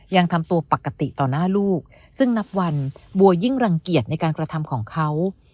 ยังทำตัวปกติต่อหน้าลูกซึ่งนับวันบัวยิ่งรังเกียจในการกระทำของเขา